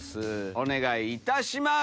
お願いいたします。